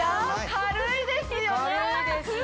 軽いですね！